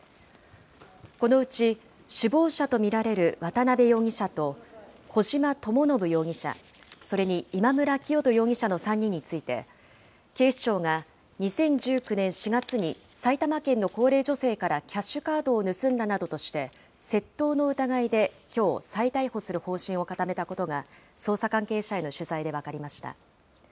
このうち首謀者と見られる渡邉容疑者と、小島智信容疑者、それに今村磨人容疑者の３人について、警視庁が２０１９年４月に、埼玉県の高齢女性からキャッシュカードを盗んだなどとして、窃盗の疑いで、きょう再逮捕する方針を固めたことが、捜査関係者への取材で分かりました。